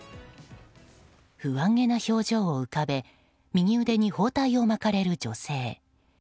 不安げな表情を浮かべ右腕に包帯を巻かれる女性。